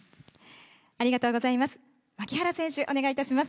ありがとうございます。